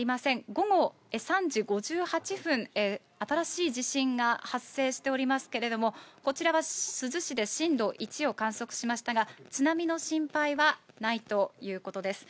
午後３時５８分、新しい地震が発生しておりますけれども、こちらは珠洲市で震度１を観測しましたが、津波の心配はないということです。